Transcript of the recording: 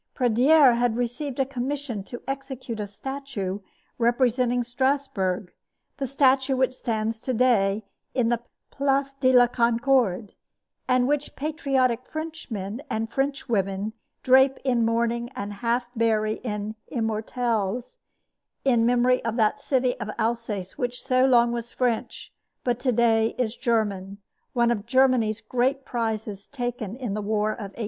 Pradier had received a commission to execute a statue representing Strasburg the statue which stands to day in the Place de la Concorde, and which patriotic Frenchmen and Frenchwomen drape in mourning and half bury in immortelles, in memory of that city of Alsace which so long was French, but which to day is German one of Germany's great prizes taken in the war of 1870.